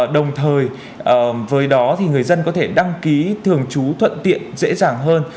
đồng thời với đó người dân có thể đăng ký thường trú thuận tiện dễ dàng hơn